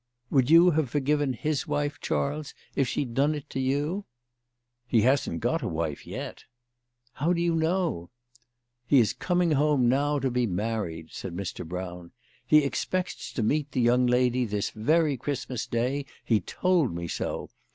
" Would you have forgiven his wife, Charles, if she'd done it to you ?"" He hasn't got a wife, yet." " How do you know ?"" He is coming home now to be married," said Mr. Brown. "He expects to meet the young lady this very Christmas Day. He told me so.